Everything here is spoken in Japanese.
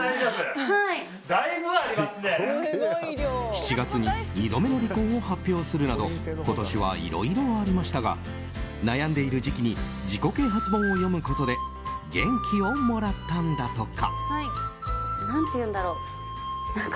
７月に２度目の離婚を発表するなど今年はいろいろありましたが悩んでいる時期に自己啓発本を読むことで元気をもらったんだとか。